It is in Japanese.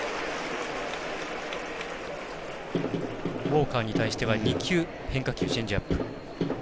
ウォーカーに対しては２球変化球、チェンジアップ。